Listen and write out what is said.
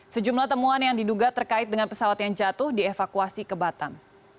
sejumlah temuan yang diduga terkait dengan pesawat yang jatuh dievakuasi ke batam